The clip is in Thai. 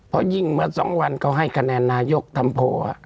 เพราะยิ่งมา๒วันเขาให้คะแนนนายกทำโพล